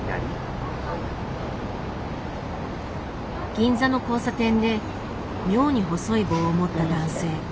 銀座の交差点で妙に細い棒を持った男性。